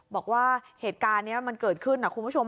บอกว่าเหตุการณ์นี้มันเกิดขึ้นนะคุณผู้ชม